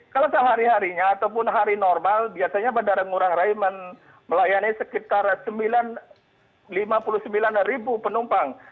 kalau sehari harinya ataupun hari normal biasanya bandara ngurah rai melayani sekitar lima puluh sembilan ribu penumpang